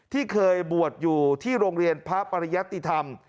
ที่เคยบวชอยู่ที่โรงเรียนพระปริยติธรรม